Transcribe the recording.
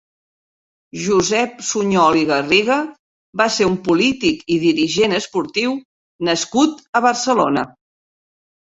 Josep Sunyol i Garriga va ser un polític i dirigent esportiu nascut a Barcelona.